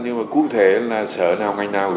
nhưng mà cụ thể là sở nào ngành nào